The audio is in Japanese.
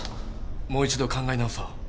もう一度考え直そう。